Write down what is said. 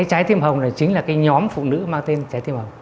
trái tim hồng chính là nhóm phụ nữ mang tên trái tim hồng